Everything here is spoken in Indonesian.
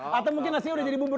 masa minggu ini nasi menjadi bubur